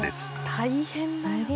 大変だよ。